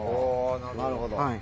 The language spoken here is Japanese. なるほど。